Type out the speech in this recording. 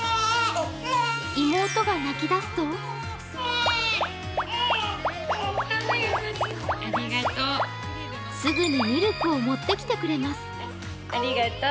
妹が泣き出すとすぐにミルクを持ってきてくれます。